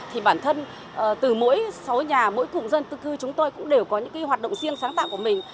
thì bản thân từ mỗi sáu nhà mỗi cụm dân cư chúng tôi cũng đều có những hoạt động riêng sáng tạo của mình